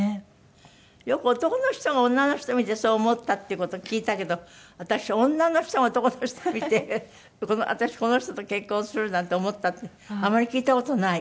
よく男の人が女の人見てそう思ったって事聞いたけど私女の人が男の人見て「私この人と結婚する」なんて思ったってあまり聞いた事ない。